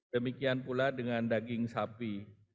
demikian pula dengan daging sapi